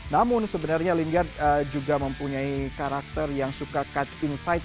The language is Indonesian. namun sebenarnya lingard juga mempunyai karakter yang suka cut insight